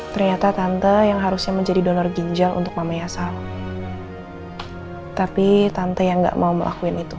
ternyata tante yang harusnya menjadi donor ginjal untuk mama yasya